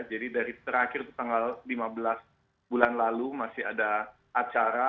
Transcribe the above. jadi dari terakhir tanggal lima belas bulan lalu masih ada acara